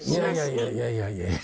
いやいやいやいや。